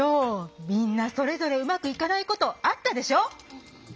みんなそれぞれうまくいかないことあったでしょ。